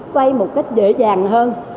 quay một cách dễ dàng hơn